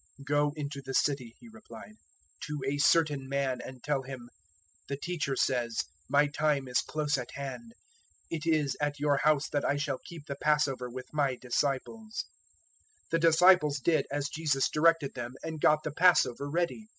026:018 "Go into the city," He replied, "to a certain man, and tell him, `The Teacher says, My time is close at hand. It is at your house that I shall keep the Passover with my disciples.'" 026:019 The disciples did as Jesus directed them, and got the Passover ready.